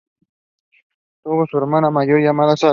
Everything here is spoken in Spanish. Tuvo una hermana mayor llamada Sara.